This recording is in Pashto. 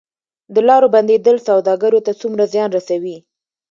د لارو بندیدل سوداګرو ته څومره زیان رسوي؟